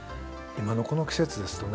今のこの季節ですとね